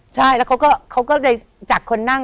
ใช่แล้วเขาก็เลยจากคนนั่ง